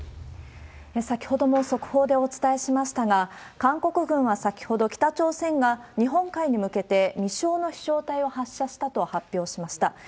先ほども速報でお伝えしましたが、韓国軍は先ほど、北朝鮮が日本海に向けて未詳の飛翔体を発射したと発表しました。